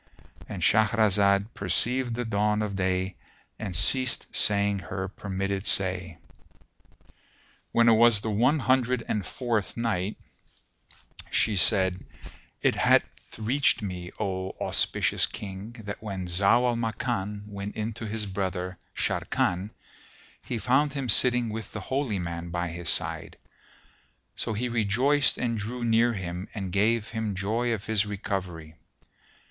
"—And Shahrazad perceived the dawn of day and ceased saying her permitted say. When it was the One Hundred and Fourth Night, She said, It hath reached me, O auspicious King, that when Zau al Makan went in to his brother Sharrkan, he found him sitting with the Holy Man by his side; so he rejoiced and drew near him and gave him joy of his recovery.